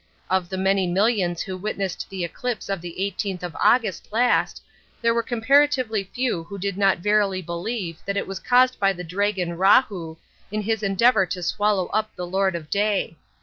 Of the many millions who witnessed the eclipse of the 18th of August last there were comparatively few who did not verily believe that it was caused by the dragon Rahu in his endeavour to swallow up the Lord of Day....